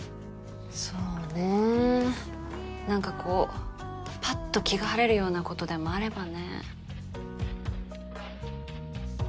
そうねぇ何かこうぱっと気が晴れるようなことでもあればね。